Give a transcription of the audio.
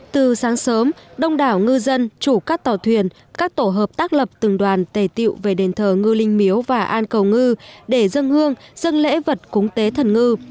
từ sáng sớm đông đảo ngư dân chủ các tàu thuyền các tổ hợp tác lập từng đoàn tề tiệu về đền thờ ngư linh miếu và an cầu ngư để dân hương dân lễ vật cúng tế thần ngư